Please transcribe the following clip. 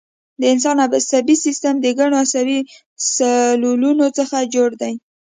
د انسان عصبي سیستم د ګڼو عصبي سلولونو څخه جوړ دی